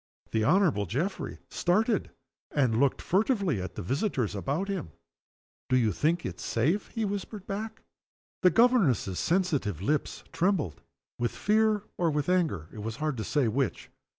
The Honorable Geoffrey started, and looked furtively at the visitors about him. "Do you think it's safe?" he whispered back. The governess's sensitive lips trembled, with fear or with anger, it was hard to say which.